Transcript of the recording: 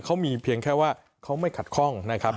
เขามีเพียงแค่ว่าเขาไม่ขัดข้องนะครับ